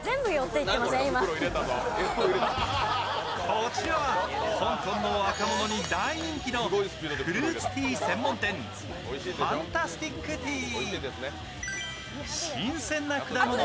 こちらは香港の若者に大人気のフルーツティー専門店、ファンタスティックティー。